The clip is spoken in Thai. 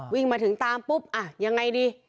วิ่งมาถึงตามปุ๊บอ่ะยังไงดี